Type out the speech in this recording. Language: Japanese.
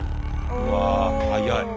うわ早い。